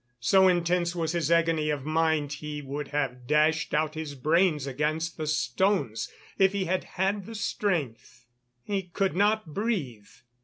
So intense was his agony of mind he would have dashed out his brains against the stones if he had had the strength. He could not breathe.